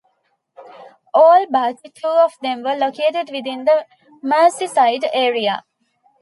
All but two of them were located within the Merseyside area.